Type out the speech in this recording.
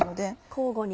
交互に。